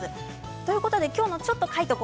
ということで今日の「ちょっと書いとこ！」